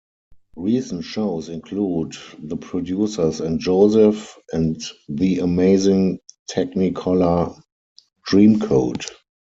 Recent shows include The Producers and Joseph and the Amazing Technicolor Dreamcoat.